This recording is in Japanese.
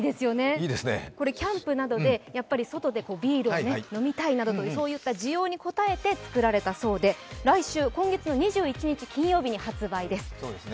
キャンプなどで外でビールを飲みたいなどの需要に応えてつくられたそうで来週、今月２１日金曜日に発売です。